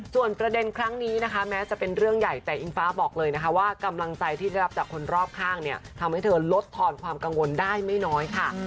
ส่วนประเด็นครั้งนี้นะคะแม้จะเป็นเรื่องใหญ่แต่อิงฟ้าบอกเลยนะคะว่ากำลังใจที่ได้รับจากคนรอบข้างเนี่ยทำให้เธอลดทอนความกังวลได้ไม่น้อยค่ะ